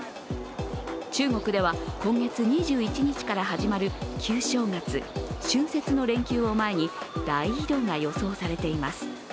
中国では今月２１日から始まる旧正月・春節の連休を前に大移動が予想されています。